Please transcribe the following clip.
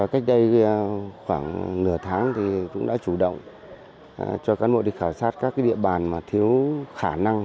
cách đây khoảng nửa tháng thì cũng đã chủ động cho các nội định khảo sát các địa bàn mà thiếu khả năng